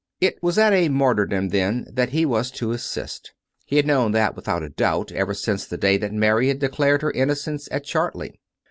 It was at a martyrdom, then, that he was to assist. ... He had known that, without a doubt, ever since the day that Mary had declared her innocence at Chartley.